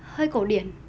hơi cổ điển